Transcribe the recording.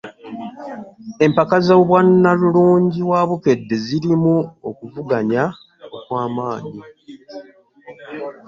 Empaka z'obwannalulungi wa bukedde zirimu okuvuganya okwamaanyi.